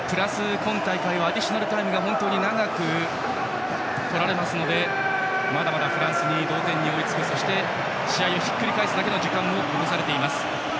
今大会はアディショナルタイムが本当に長くとられますのでまだまだフランス同点に追いつくそして試合をひっくり返すだけの時間は残されています。